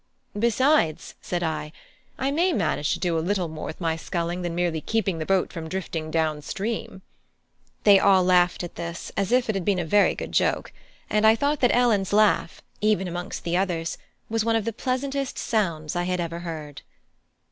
"Besides," said I, "I may manage to do a little more with my sculling than merely keeping the boat from drifting down stream." They all laughed at this, as if it had a been very good joke; and I thought that Ellen's laugh, even amongst the others, was one of the pleasantest sounds I had ever heard.